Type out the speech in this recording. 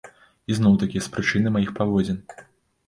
І зноў-такі з прычыны маіх паводзін.